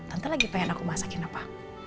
nanti lagi pengen aku masakin apa